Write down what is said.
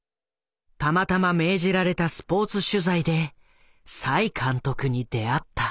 たまたま命じられたスポーツ取材で栽監督に出会った。